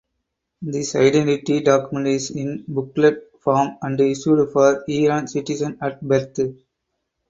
This identity document is in booklet form and issued for Iran citizens at birth.